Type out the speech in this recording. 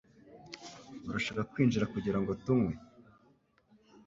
Urashaka kwinjira kugirango tunywe?